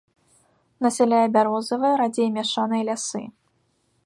Насяляе бярозавыя, радзей мяшаныя лясы.